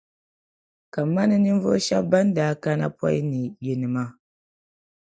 Kamani ninvuɣu shεba ban daa kana pɔi ni yinima